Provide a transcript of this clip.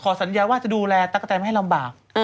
สัญญาว่าจะดูแลตั๊กกแตนไม่ให้ลำบาก